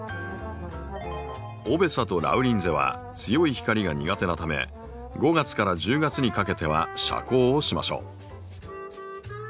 オベサとラウリンゼは強い光が苦手なため５月１０月にかけては遮光をしましょう。